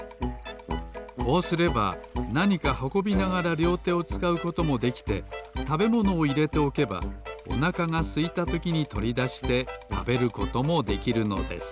こうすればなにかはこびながらりょうてをつかうこともできてたべものをいれておけばおなかがすいたときにとりだしてたべることもできるのです